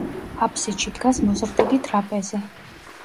აფსიდში დგას მოზრდილი ტრაპეზი.